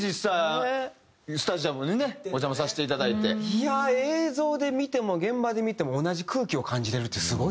いやあ映像で見ても現場で見ても同じ空気を感じれるってすごいな。